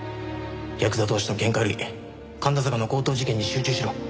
ヤクザ同士の喧嘩より神田坂の強盗事件に集中しろ。